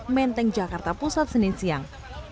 menteng jakarta pusat senin siang